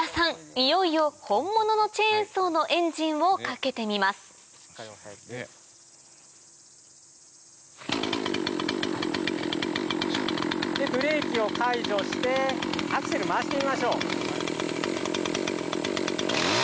いよいよ本物のチェーンソーのエンジンをかけてみますでブレーキを解除してアクセル回してみましょう。